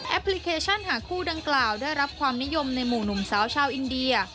พลิเคชันหาคู่ดังกล่าวได้รับความนิยมในหมู่หนุ่มสาวชาวอินเดีย